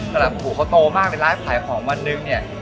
สำหรับผู้เขาโตมากในร้านไพของวันนึงเนี่ย